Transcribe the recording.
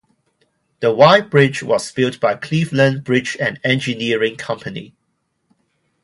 The Wye Bridge was built by Cleveland Bridge and Engineering Company.